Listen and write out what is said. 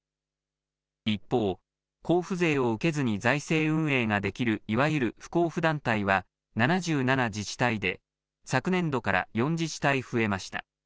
一方、交付税を受けずに財政運営ができるいわゆる不交付団体は７７自治体で昨年度から４自治体増えました。